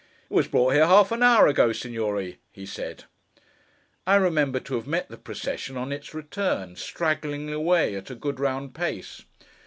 'It was brought here half an hour ago, Signore,' he said. I remembered to have met the procession, on its return: straggling away at a good round pace.